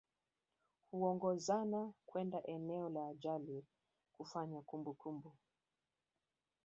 Huongozana kwenda eneo la ajali kufanya kumbukumbu